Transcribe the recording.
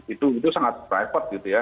itu sangat private gitu ya